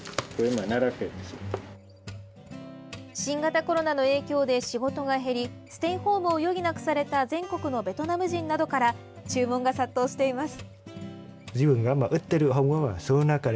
新型コロナの影響で仕事が減りステイホームを余儀なくされた全国のベトナム人などから注文が殺到しています。